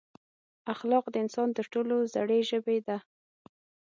اخلاق د انسان تر ټولو زړې ژبې ده.